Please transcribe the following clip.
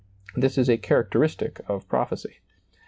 This is a characteristic of prophecy.